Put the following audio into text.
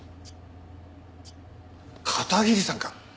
片桐さんか？